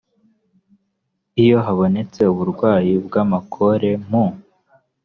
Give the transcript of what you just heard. iyo habonetse uburwayi bw amakore mu